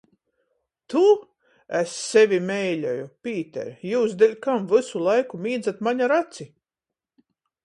Tu? Es sevi meiļoju! Pīter, jius deļkam vysu laiku mīdzat maņ ar aci?